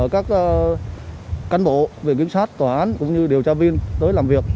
các cán bộ viện kiểm sát tòa án cũng như điều tra viên tới làm việc